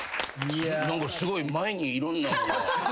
何かすごい。前にいろんなもんが。